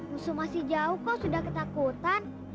musuh masih jauh kok sudah ketakutan